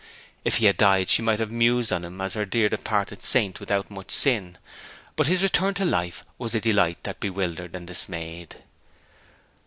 If he had died she might have mused on him as her dear departed saint without much sin: but his return to life was a delight that bewildered and dismayed.